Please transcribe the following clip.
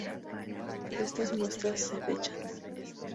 Estas muestras se fechan.